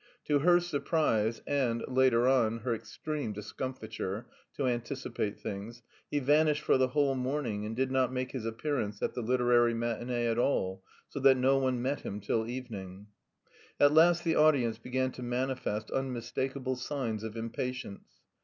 To her surprise and, later on, her extreme discomfiture (to anticipate things) he vanished for the whole morning and did not make his appearance at the literary matinée at all, so that no one met him till evening. At last the audience began to manifest unmistakable signs of impatience.